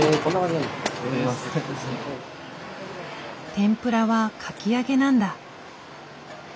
天ぷらはかき揚げなんだ。